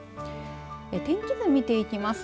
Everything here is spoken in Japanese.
天気図見ていきます。